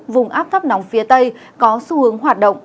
vùng áp thấp nóng phía tây có xu hướng hoạt động